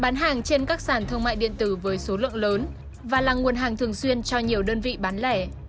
bán hàng trên các sản thương mại điện tử với số lượng lớn và là nguồn hàng thường xuyên cho nhiều đơn vị bán lẻ